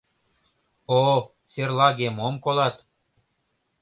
О, серлаге, мом колат: